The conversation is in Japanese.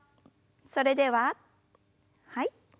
それでははい。